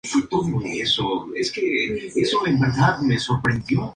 Su padre era banquero y primo de la escritora Elizabeth von Arnim.